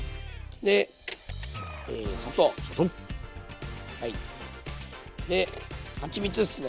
ではちみつっすね。